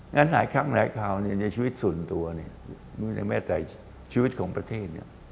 หลายครั้งหลายคราวในชีวิตส่วนตัวเนี่ยไม่ได้แม้แต่ชีวิตของประเทศเนี่ย